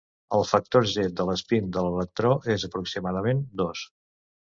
El factor g de l'espín de l'electró és aproximadament dos.